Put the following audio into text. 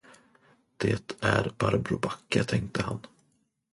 Det är Barbro Backe, tänkte han.